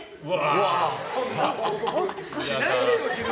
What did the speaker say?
そんなことしないでよ。